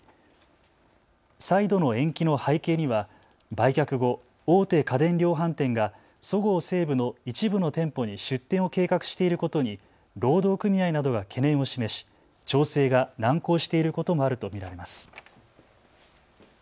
再度の延期の背景には売却後、大手家電量販店がそごう・西武の一部の店舗に出店を計画していることに労働組合などが懸念を示し調整が難航していることもあると見られます。